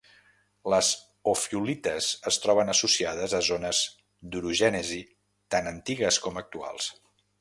Les ofiolites es troben associades a zones d'orogènesi tant antigues com actuals.